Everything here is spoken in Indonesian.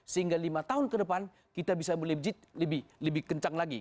sehingga lima tahun ke depan kita bisa lebih kencang lagi